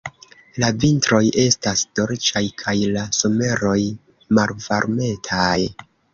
La vintroj estas dolĉaj kaj la someroj malvarmetaj.